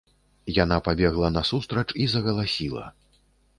Яна пабегла насустрач і загаласіла.